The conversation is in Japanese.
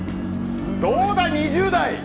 どうだ、２０代！